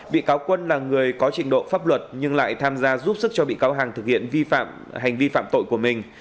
bị cáo quân là người có trình độ pháp luật nhưng lại tham gia giúp sức cho bị cáo hằng thực hiện hành vi phạm tội của mình